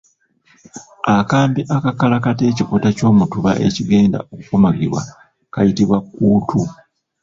Akambe akakalakata ekikuta ky’omutuba ekigenda okukomagibwa kayitibwa kkuutu.